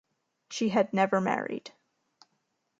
She had never married.